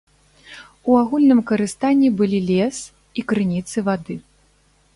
У агульным карыстанні былі лес і крыніцы вады.